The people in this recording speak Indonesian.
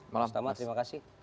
mas tama terima kasih